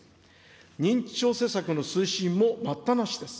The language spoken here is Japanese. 認知症施策の推進も待ったなしです。